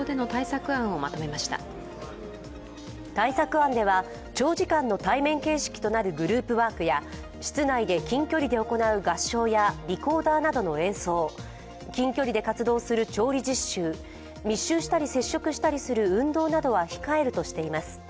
対策案では、長時間の対面形式となるグループワークや室内で近距離で行う合唱やリコーダーなどの演奏、近距離で活動する調理実習、密集したり接触したりする運動などは控えるとしています。